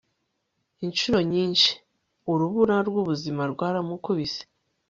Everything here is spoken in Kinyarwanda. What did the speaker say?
inshuro nyinshi, urubura rwubuzima rwaramukubise